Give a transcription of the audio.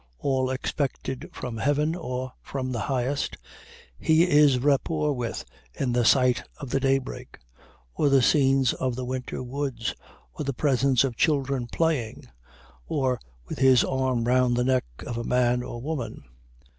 All expected from heaven or from the highest, he is rapport with in the sight of the daybreak, or the scenes of the winter woods, or the presence of children playing, or with his arm round the neck of a man or woman.